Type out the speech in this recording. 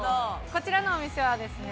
こちらのお店はですね